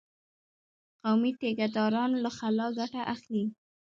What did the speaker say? قومي ټيکه داران له خلا ګټه اخلي.